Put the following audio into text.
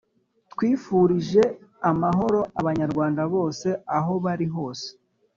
twifurije amahoro abanywanda bose aho bari hose.